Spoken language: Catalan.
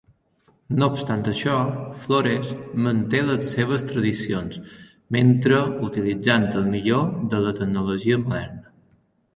No obstant això, Flores manté les seves tradicions mentre utilitzant el millor de la tecnologia moderna.